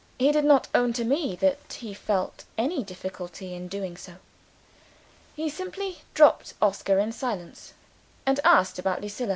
He did not own to me that he felt any difficulty in doing so. He simply dropped Oscar in silence; and asked about Lucilla.